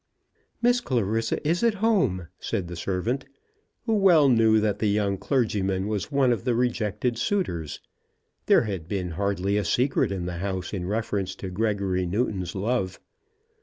"Miss Clarissa is at home," said the servant, who well knew that the young clergyman was one of the rejected suitors. There had been hardly a secret in the house in reference to Gregory Newton's love.